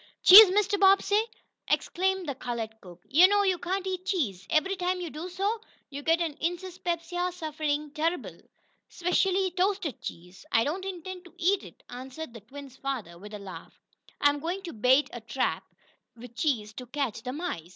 "Cheese, Massa Bobbsey!" exclaimed the colored cook. "Yo' knows yo' cain't eat cheese. Ebery time yo' does, yo' gits de insispepsia suffin terrible specially toasted cheese." "I don't intend to eat it!" answered the twins' father, with a laugh. "I'm going to bait a trap with cheese to catch the mice.